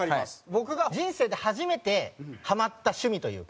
僕が人生で初めてハマった趣味というか。